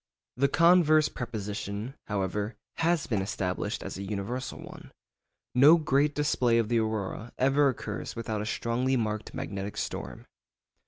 The converse proposition, however, has been established as an universal one. No great display of the aurora ever occurs without a strongly marked magnetic storm.